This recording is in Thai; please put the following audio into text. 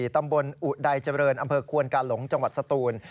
ตำบลอุดัยเจริญอำเภอควนกาหลงจังหวัดสตูน